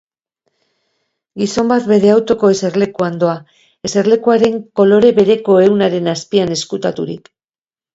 Gizon bat bere autoko eserlekuan doa, eserlekuaren kolore bereko ehunaren azpian ezkutaturik.